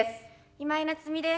今井菜津美です。